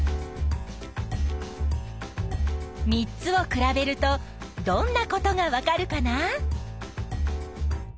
３つを比べるとどんなことがわかるかな？